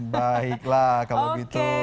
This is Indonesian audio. baiklah kalau gitu